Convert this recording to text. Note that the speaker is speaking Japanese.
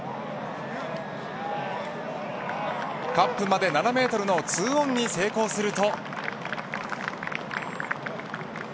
カップまで７メートルの２オンに成功すると。